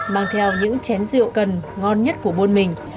mang theo những chén rượu cần ngon nhất của bôn mình